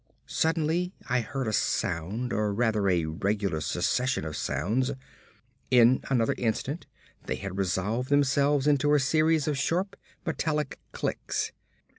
Suddenly I heard a sound or rather, a regular succession of sounds. In another instant they had resolved themselves into a series of sharp, metallic clicks.